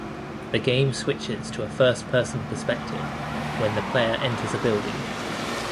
The game switches to a first-person perspective when the player enters a building.